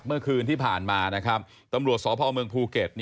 เมื่อคืนที่ผ่านมานะครับตำรวจสพเมืองภูเก็ต